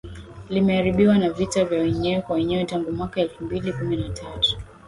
limeharibiwa na vita vya wenyewe kwa wenyewe tangu mwaka elfu mbili kumi na tatu